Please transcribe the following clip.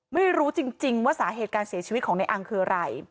ไม่รู้จริงว่าสาเหตุการเสียชีวิตของในอังคืออะไร